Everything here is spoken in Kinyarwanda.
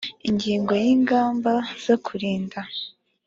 ingingo ya ingamba zo kurinda